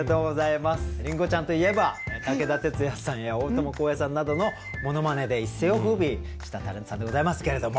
りんごちゃんといえば武田鉄矢さんや大友康平さんなどのものまねで一世をふうびしたタレントさんでございますけれども。